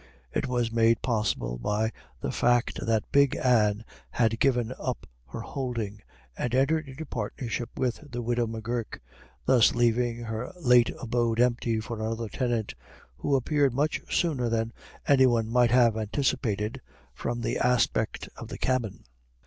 It was made possible by the fact that Big Anne had given up her holding and entered into partnership with the widow M'Gurk, thus leaving her late abode empty for another tenant, who appeared much sooner than any one might have anticipated from the aspect of the cabin.